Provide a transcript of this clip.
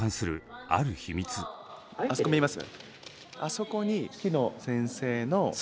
あそこ見えます？